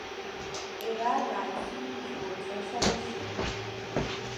এরা ‘লাইসিনিডি’ গোত্রের সদস্য।